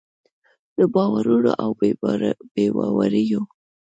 د باورونو او بې باوریو